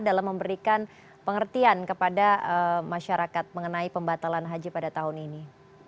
dalam memberikan pengertian kepada masyarakat mengenai pembatalan haji pada tahun ini